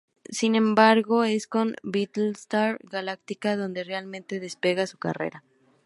Sin embargo, es con Battlestar Galáctica donde realmente despega su carrera.